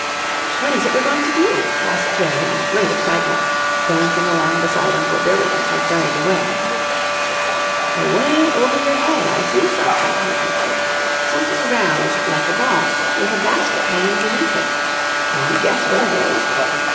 "What is it we're going to do?" asked Jerry in great excitement, dancing along beside Uncle Billy as they started away. "Away over your head I see something," he answered "something round like a ball, with a basket hanging beneath it. Can you guess what it is?"